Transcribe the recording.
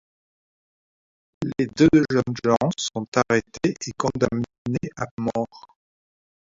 Les deux jeunes gens sont arrêtés et condamnés à mort.